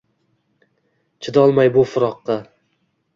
Chidolmay bu firoqqa.